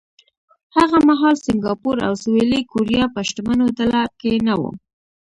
هغه مهال سینګاپور او سویلي کوریا په شتمنو ډله کې نه وو.